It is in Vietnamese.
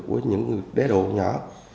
của những người đá độ nhỏ